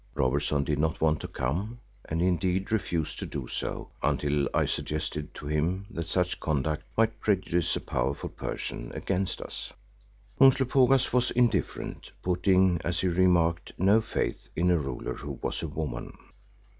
Robertson did not want to come, and indeed refused to do so until I suggested to him that such conduct might prejudice a powerful person against us. Umslopogaas was indifferent, putting, as he remarked, no faith in a ruler who was a woman.